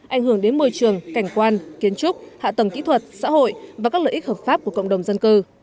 ảnh hưởng đến môi trường cảnh quan kiến trúc hạ tầng kỹ thuật xã hội và các lợi ích hợp pháp của cộng đồng dân cư